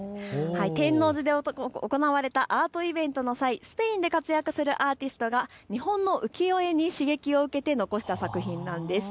天王洲で行われたアートイベントの際、スペインで活躍するアーティストが日本の浮世絵に刺激を受けて残した作品なんです。